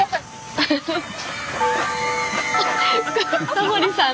タモリさん